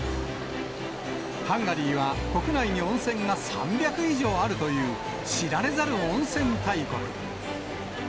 ハンガリーは、国内に温泉が３００以上あるという、知られざる温泉大国。